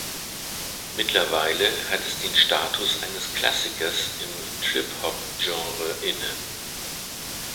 Mittlerweile hat es den Status eines Klassikers im Trip-Hop-Genre inne.